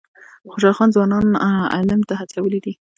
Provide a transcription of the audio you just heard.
خوشحال خان ځوانان علم ته هڅولي دي.